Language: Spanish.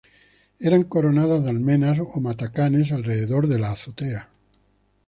Eran coronadas de almenas o matacanes alrededor de la azotea.